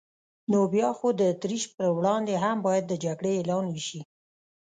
نو بیا خو د اتریش پر وړاندې هم باید د جګړې اعلان وشي.